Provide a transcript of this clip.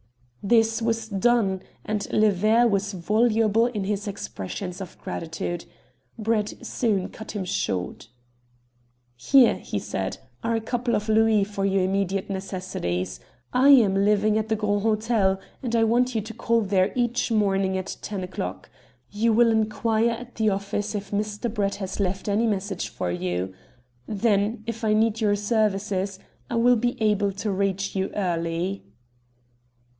This was done, and "Le Ver" was voluble in his expressions of gratitude. Brett soon cut him short. "Here," he said, "are a couple of louis for your immediate necessities. I am living at the Grand Hotel, and I want you to call there each morning at ten o'clock. You will inquire at the office if Mr. Brett has left any message for you. Then, if I need your services, I will be able to reach you early."